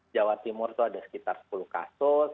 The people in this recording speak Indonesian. jawa timur itu ada sekitar sepuluh kasus